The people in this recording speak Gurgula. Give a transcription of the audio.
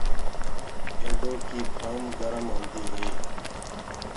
بيڊو ڪيٚ ڦهوم گرم هوندي هي۔